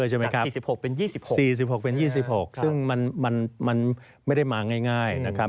จาก๔๖เป็น๒๖ซึ่งมันไม่ได้มาง่ายนะครับ